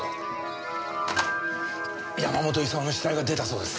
山本功の死体が出たそうです。